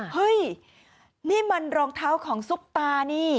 เฮ้ยนี่มันรองเท้าของซุปตานี่